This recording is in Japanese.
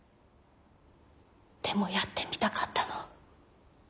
でもやってみたかったの。